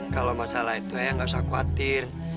kalau masalah itu ya nggak usah khawatir